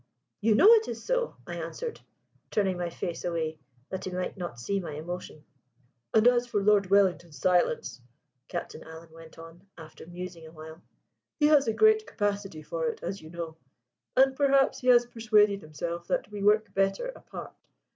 "You know it is so," I answered, turning my face away that he might not see my emotion. "As for Lord Wellington's silence," Captain Alan went on, after musing a while, "he has a great capacity for it, as you know; and perhaps he has persuaded himself that we work better apart.